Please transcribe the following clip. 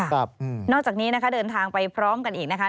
ค่ะนอกจากนี้นะครับเดินทางไปพร้อมกันอีกนะครับ